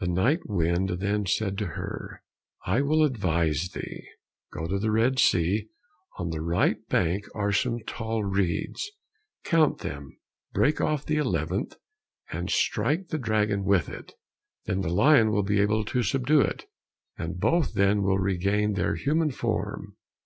The night wind then said to her, "I will advise thee; go to the Red Sea, on the right bank are some tall reeds, count them, break off the eleventh, and strike the dragon with it, then the lion will be able to subdue it, and both then will regain their human form.